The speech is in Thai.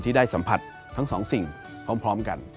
ได้สัมผัสทั้งสองสิ่งพร้อมกัน